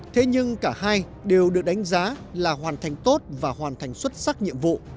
thế nhưng cả hai đều được đánh giá là hoàn thành tốt và hoàn thành xuất sắc nhiệm vụ